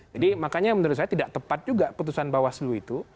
jadi makanya menurut saya tidak tepat juga putusan bawah seluruh itu